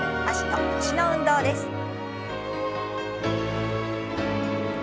脚と腰の運動です。